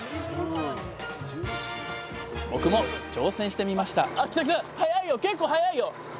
僕も挑戦してみました